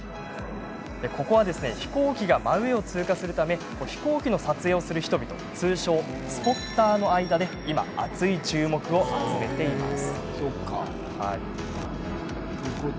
ここは飛行機が真上を通過するため飛行機の撮影をする人々通称、スポッターの間で今、熱い注目を集めています。